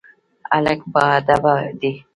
هلک باادبه دی.